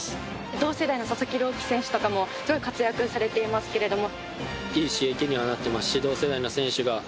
同世代の佐々木朗希選手とかもすごい活躍されていますけれども。